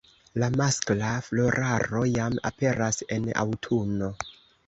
La maskla floraro jam aperas en aŭtuno.